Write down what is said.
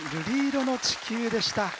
「瑠璃色の地球」でした。